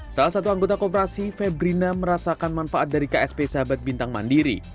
salah satu anggota koperasi febrina merasakan manfaat dari ksp sahabat bintang mandiri